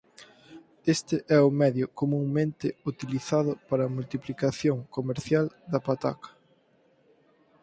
Este é o medio comunmente utilizado para a multiplicación comercial da pataca.